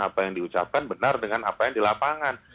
apa yang diucapkan benar dengan apa yang di lapangan